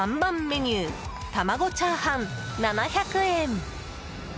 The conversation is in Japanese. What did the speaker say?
メニュー玉子チャーハン、７００円。